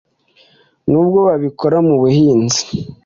Nubwo babikora mu buhinzi